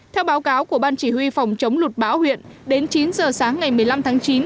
theo báo cáo của ban chỉ huy phòng chống lụt bão huyện đến chín giờ sáng ngày một mươi năm tháng chín